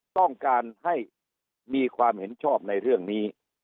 ต้องการให้มีความเห็นชอบในเรื่องนี้